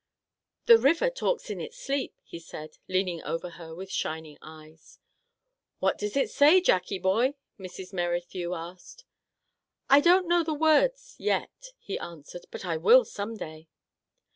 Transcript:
" The river talks in its sleep," he said, lean ing over her with shining eyes. " What does it say, Jackie boy ?" Mrs. Merrithew asked. "I don't know the words, — yet, " he answered, " but I will some day."